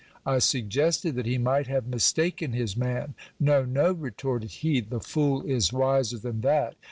I suggested that he might have mistaken his man. No, no, retorted he, the fool is wiser than that.